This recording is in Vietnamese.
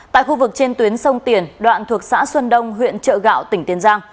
tại khu vực trên tuyến sông tiền đoạn thuộc xã xuân đông huyện trợ gạo tỉnh tiền giang